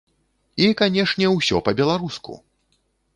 І, канешне, усё па-беларуску!